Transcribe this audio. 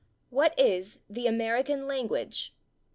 WHAT IS THE " AMERICAN LANGUAGE